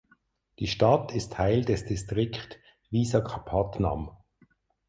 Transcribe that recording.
Die Stadt ist Teil des Distrikt Visakhapatnam.